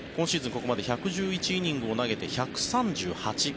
ここまで１１１イニングを投げて１３８。